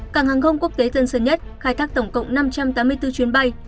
cảng hàng không quốc tế tân sơn nhất khai thác tổng cộng năm trăm tám mươi bốn chuyến bay